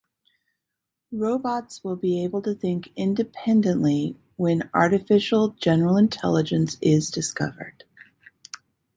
Robots will be able to think independently when Artificial General Intelligence is discovered.